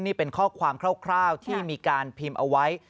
นี่เป็นข้อความคร่าวที่มีการพิมพ์เอาไว้